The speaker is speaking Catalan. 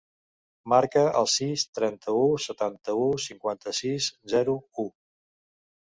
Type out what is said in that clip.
Marca el sis, trenta-u, setanta-u, cinquanta-sis, zero, u.